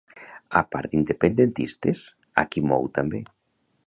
A part d'independentistes, a qui mou també?